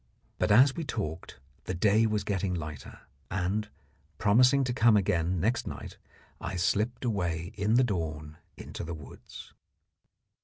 But as we talked the day was getting lighter, and, promising to come again next night, I slipped away in the dawn into the woods.